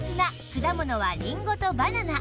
果物はりんごとバナナ